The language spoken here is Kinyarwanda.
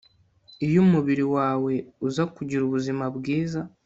Iyo umubiri wawe uza kugira ubuzima bwiza